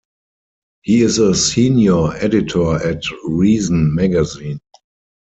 He is a senior editor at "Reason" magazine.